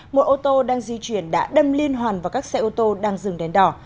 một ô tô đang di chuyển đã đâm liên hoàn vào các xe ô tô đang dừng đèn đỏ